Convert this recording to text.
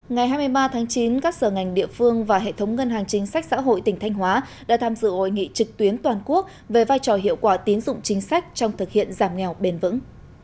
ngày hai mươi ba tháng chín các sở ngành địa phương và hệ thống ngân hàng chính sách xã hội tỉnh thanh hóa đã tham dự hội nghị trực tuyến toàn quốc về vai trò hiệu quả tín dụng chính sách trong thực hiện giảm nghèo bền vững